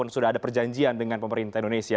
sudah ada perjanjian dengan pemerintah indonesia